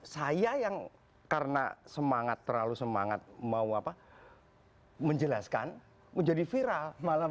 saya yang karena semangat terlalu semangat mau apa menjelaskan menjadi viral